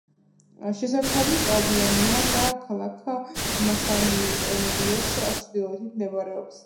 შესართავი ჭაობიანია და ქალაქ მანსანილიოს ჩრდილოეთით მდებარეობს.